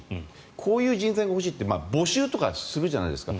こういう人材が欲しいって募集とかするじゃないですか。